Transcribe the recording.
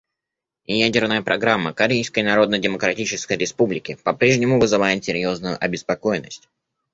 Ядерная программа Корейской Народно-Демократической Республики по-прежнему вызывает серьезную обеспокоенность.